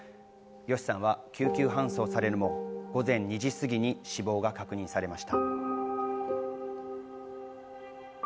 ＹＯＳＨＩさんは救急搬送されるも午前２時すぎに死亡が確認されました。